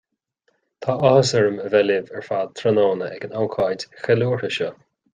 Tá áthas orm a bheith libh ar fad tráthnóna ag an ócáid cheiliúrtha seo